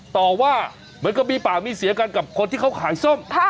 ต่อว่าเหมือนกับมีปากมีเสียกันกับคนที่เขาขายส้ม